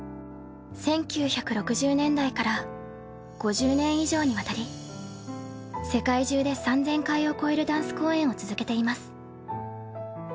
１９６０年代から５０年以上にわたり世界中で３，０００回を超えるダンス公演を続けています。